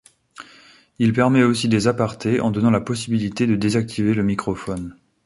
Il permet aussi des apartés en donnant la possibilité de désactiver le microphone.